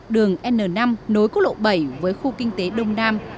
đường n năm nối quốc lộ bảy với khu kinh tế đông nam